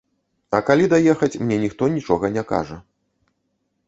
А калі даехаць, мне ніхто нічога не кажа.